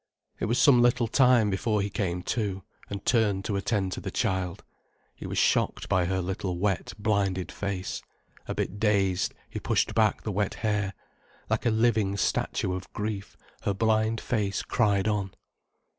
It was some little time before he came to, and turned to attend to the child. He was shocked by her little wet, blinded face. A bit dazed, he pushed back the wet hair. Like a living statue of grief, her blind face cried on.